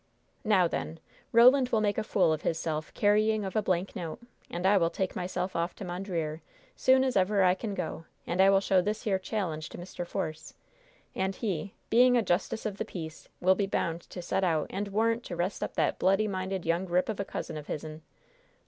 "Now, then, Roland will make a fool of hisself carrying of a blank note. And I will take myself off to Mondreer, soon as ever I can go, and I will show this here challenge to Mr. Force. And he, being a justice of the peace, will be bound to send out a warrant to 'rest up that bloody minded young rip of a cousin of hizzen!